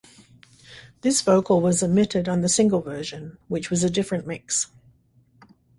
This vocal was omitted on the single version, which was a different mix.